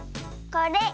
これ。